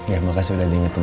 ya makasih udah diingetin